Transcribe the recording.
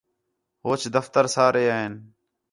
ہوچ دَفتر سارے این